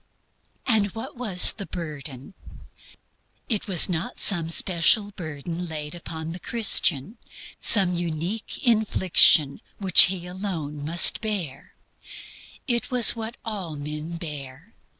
And what was the "burden"? It was not some special burden laid upon the Christian, some unique infliction that they alone must bear. It was what all men bear.